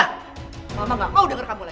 engga mama gak mau denger kamu lagi